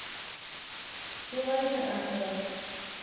Шулайҙыр, ахыры.